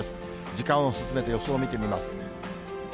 時間を進めて予想を見てみます。